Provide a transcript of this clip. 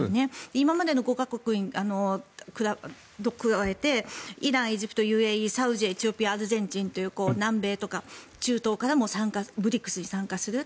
今までの５か国と比べてイラン、エジプト、ＵＡＥサウジエチオピア、アルゼンチンと南米とか、中東からもＢＲＩＣＳに参加する。